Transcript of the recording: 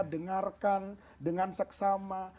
dengarkan dengan seksama